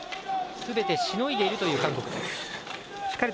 すべてしのいでいる韓国です。